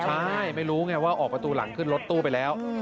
ใช่ไม่รู้ไงว่าออกประตูหลังขึ้นรถตู้ไปแล้ว